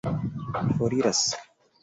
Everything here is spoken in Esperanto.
foriras